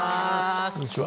こんにちは。